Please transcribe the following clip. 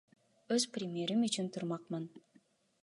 Өз премьерим үчүн турмакмын.